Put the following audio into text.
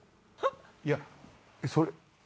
いやそれ。